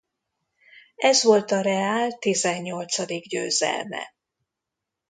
Ez volt a Real tizennyolcadik győzelme.